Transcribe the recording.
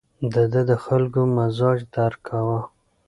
ده د خلکو مزاج درک کاوه.